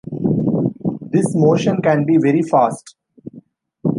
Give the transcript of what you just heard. This motion can be very fast.